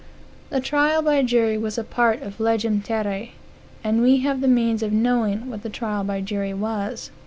The trial by jury was a part of legem terrae, and we have the means of knowing what the trial by jury was.